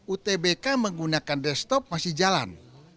utbk menggunakan desktop masih jalan